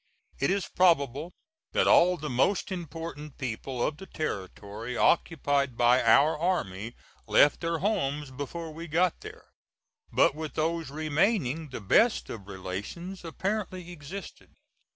It is probable that all the most important people of the territory occupied by our army left their homes before we got there, but with those remaining the best of relations apparently existed.